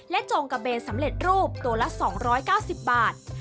จองกระเบนสำเร็จรูปตัวละ๒๙๐บาท